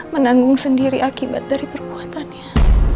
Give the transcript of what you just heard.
menanggung sendiri akibat dari perbuatannya